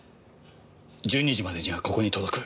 １２時までにはここに届く。